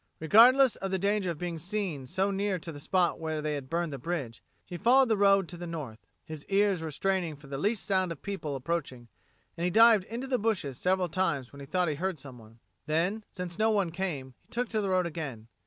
Regardless of the danger of being seen so near to the spot where they had burned the bridge, he followed the road to the north. His ears were straining for the least sound of people approaching, and he dived into the bushes several times when he thought he heard someone. Then, since no one came, he took to the road again.